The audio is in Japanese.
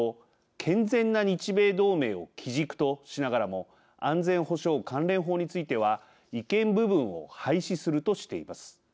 健全な日米同盟を基軸としながらも安全保障関連法については違憲部分を廃止するとしています。